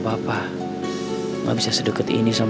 belasan tahun aku enggak bisa ketemu sama bu dermatokon